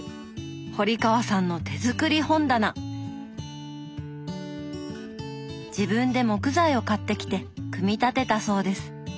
堀川さんの自分で木材を買ってきて組み立てたそうです。